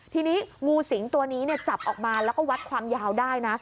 ทีนี้งูสิงตัวนี้จับออกมาแล้วก็วัดความยาวได้นะ